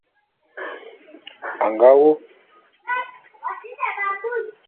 A nga wu.